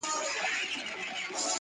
د زلفو بڼ كي د دنيا خاوند دی,